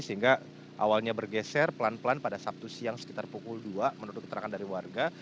sehingga awalnya bergeser pelan pelan pada sabtu siang sekitar pukul dua menurut keterangan dari warga